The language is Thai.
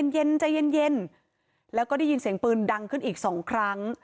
เย็นใจเย็นแล้วก็ได้ยินเสียงปืนดังขึ้นอีก๒ครั้ง